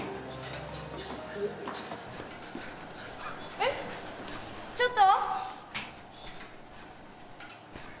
えっちょっと？